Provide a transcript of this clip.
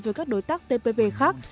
với các đối tác tpp khác